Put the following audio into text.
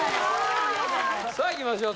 さあいきましょう。